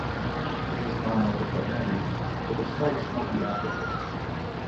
It is mild but nutty, with a slight smoky aftertaste.